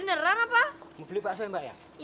mau beli pak soe mbak ya